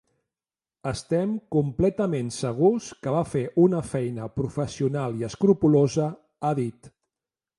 Estem completament segurs que va fer una feina professional i escrupolosa, ha dit.